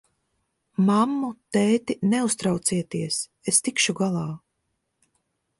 Mammu, tēti, neuztraucieties, es tikšu galā!